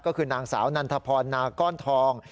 ก็คือนางสาวนันทพรนาก้อนทอง